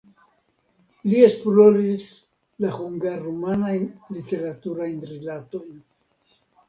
Li esploris la hungar-rumanajn literaturajn rilatojn.